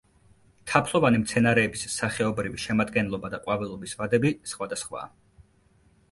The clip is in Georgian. თაფლოვანი მცენარეების სახეობრივი შემადგენლობა და ყვავილობის ვადები სხვადასხვაა.